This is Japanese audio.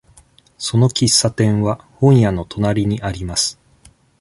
その喫茶店は本屋の隣にあります。